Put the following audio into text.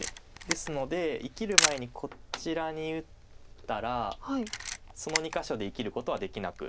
ですので生きる前にこちらに打ったらその２か所で生きることはできなく。